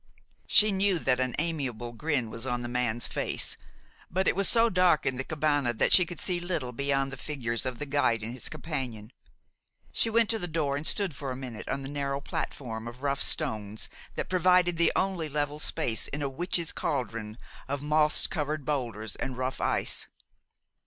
She knew that an amiable grin was on the man's face; but it was so dark in the cabane that she could see little beyond the figures of the guide and his companion. She went to the door, and stood for a minute on the narrow platform of rough stones that provided the only level space in a witches' cauldron of moss covered boulders and rough ice.